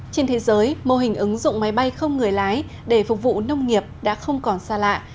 trên thế giới mô hình ứng dụng máy bay không người lái để phục vụ nông nghiệp đã không còn xa lạ